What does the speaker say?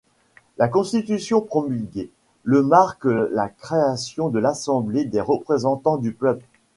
La Constitution promulguée le marque la création de l'Assemblée des représentants du peuple.